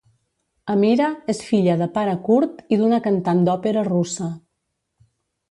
Amira és filla de pare kurd i d'una cantant d'òpera russa.